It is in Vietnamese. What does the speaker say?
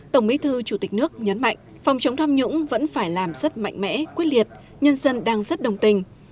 tổng bí thư chủ tịch nước nhấn mạnh phòng chống tham nhũng vẫn phải làm rất mạnh mẽ quyết liệt nhân dân đang rất đồng tình